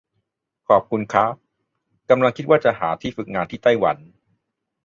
ขอบคุณค้าบ กำลังคิดว่าจะหาที่ฝึกงานที่ไต้หวัน